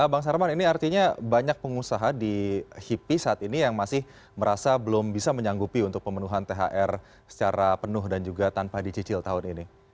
bang sarman ini artinya banyak pengusaha di hipi saat ini yang masih merasa belum bisa menyanggupi untuk pemenuhan thr secara penuh dan juga tanpa dicicil tahun ini